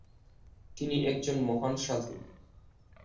তিনি একজন মহান সাধু।